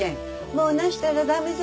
もう泣したら駄目ぞ